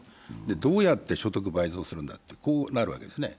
どうやって所得倍増するんだとなるわけですね。